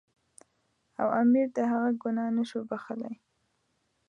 او امیر د هغه ګناه نه شو بخښلای.